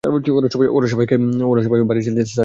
ওরা সবাই বাড়ি ছেড়েছে, স্যার।